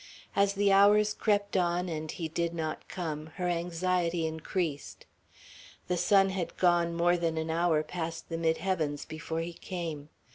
As the hours crept on and he did not come, her anxiety increased. The sun had gone more than an hour past the midheavens before he came.